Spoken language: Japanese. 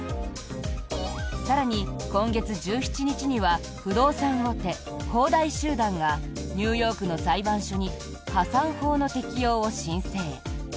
更に、今月１７日には不動産大手、恒大集団がニューヨークの裁判所に破産法の適用を申請。